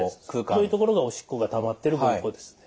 黒い所がおしっこがたまってる膀胱ですね。